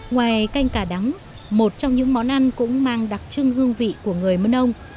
ngoài canh cà đắng một trong những món ăn cũng mang đặc trưng hương vị của người mơ nông